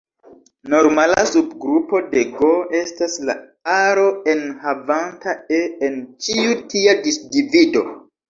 Normala subgrupo de "G" estas la aro enhavanta "e" en ĉiu tia disdivido.